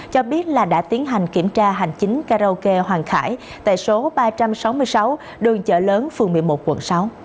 cho biết là đã tiến hành kiểm tra hành chính karaoke hoàng khải tại số ba trăm sáu mươi sáu đường chợ lớn phường một mươi một quận sáu